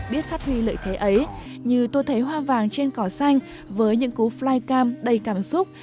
biết phát huy lợi thế ấy như tôi thấy hoa vàng trên cỏ xanh với những cú flycam đầy cảm xúc